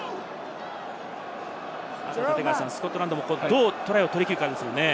スコットランドもどうトライを取り切るかですね。